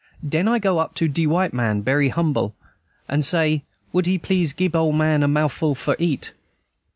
"Den I go up to de white man, berry humble, and say, would he please gib ole man a mouthful for eat?